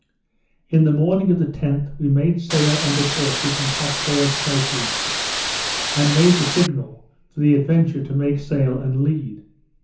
In the morning of the 10th we made sail under courses and top sails close reefed; and made the signal for the Adventure to make sail and lead.